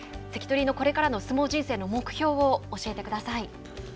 関取のこれからの相撲人生の目標を教えてください。